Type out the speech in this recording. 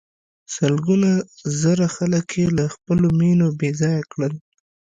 سلګونه زره خلک یې له خپلو مېنو بې ځایه کړل.